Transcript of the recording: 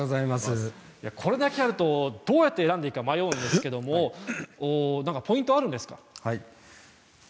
これだけあると、どうやって選んでいいのか迷うんですけれどもポイントあるんですか。